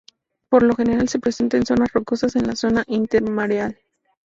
Por lo general se presenta en zonas rocosas en la zona intermareal.